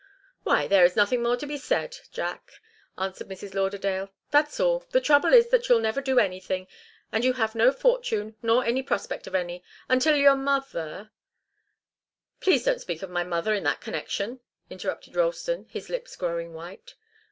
"Why there's nothing more to be said, Jack," answered Mrs. Lauderdale. "That's all. The trouble is that you'll never do anything, and you have no fortune, nor any prospect of any until your mother " "Please don't speak of my mother in that connection," interrupted Ralston, his lips growing white.